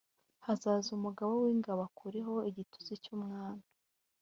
hazaza umugaba w’ingabo akureho igitutsi cy’umwami